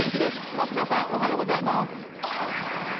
増田さんおはようございます。